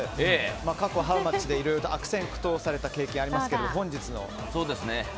過去ハウマッチでいろいろと悪戦苦闘された経験がありますけど本日の自信は？